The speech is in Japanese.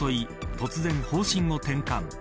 突然方針を転換。